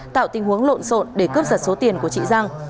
tạo tình huống lộn xộn để cướp giật số tiền của chị giang